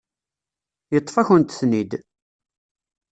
Yeṭṭef-akent-ten-id.